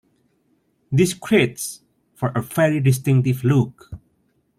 This creates for a very distinctive look.